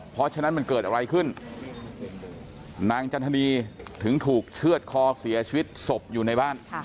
เพราะฉะนั้นมันเกิดอะไรขึ้นนางจันทนีถึงถูกเชื่อดคอเสียชีวิตศพอยู่ในบ้าน